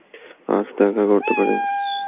আজ দেখা করতে পারি?